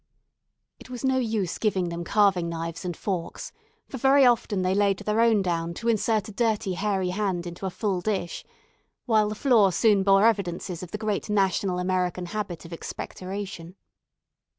It was no use giving them carving knives and forks, for very often they laid their own down to insert a dirty hairy hand into a full dish; while the floor soon bore evidences of the great national American habit of expectoration.